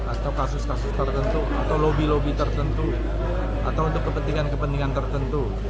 atau kasus kasus tertentu atau lobby lobby tertentu atau untuk kepentingan kepentingan tertentu